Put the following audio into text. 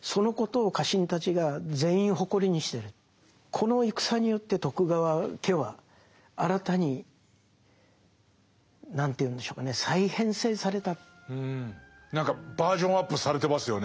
この戦によって徳川家は新たに何ていうんでしょうかね何かバージョンアップされてますよね。